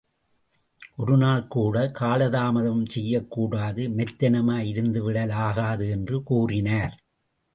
ஒருநாள் கூடக் காலதாமதம் செய்யக் கூடாது, மெத்தனமாய் இருந்துவிடலாகாது என்று கூறினார்.